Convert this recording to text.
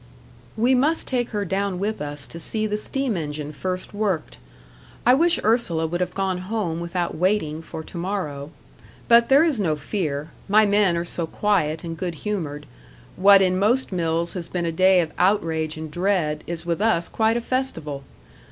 "We must take her down with us to see the steam engine first worked. I wish Ursula would have gone home without waiting for to morrow. But there is no fear my men are so quiet and good humoured. What in most mills has been a day of outrage and dread, is with us quite a festival.